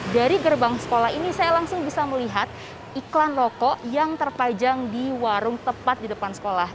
dari gerbang sekolah ini saya langsung bisa melihat iklan rokok yang terpajang di warung tepat di depan sekolah